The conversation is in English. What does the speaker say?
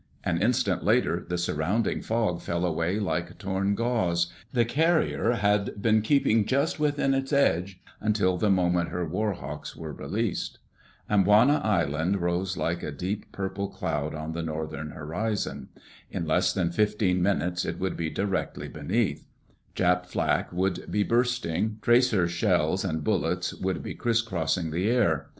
An instant later the surrounding fog fell away like torn gauze. The carrier had been keeping just within its edge until the moment her warhawks were released. Amboina Island rose like a deep purple cloud on the northern horizon. In less than fifteen minutes it would be directly beneath, Jap flak would be bursting; tracer shells and bullets would be criss crossing the air.